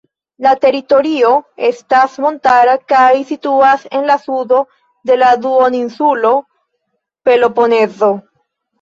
La teritorio estas montara kaj situas en la sudo de la duoninsulo Peloponezo.